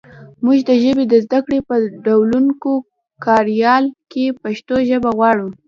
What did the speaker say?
مونږ د ژبو د زده کړې په ډولونګو کاریال کې پښتو ژبه غواړو